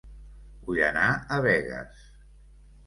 Vull anar a Begues